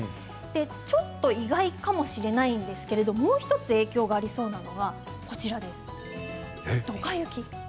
ちょっと意外かもしれないんですがもう１つ影響がありそうなのがドカ雪。